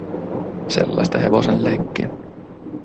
Sellaista hevosen leikkiä.